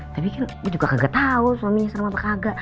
tapi kan gue juga gak tau suaminya serem apa kagak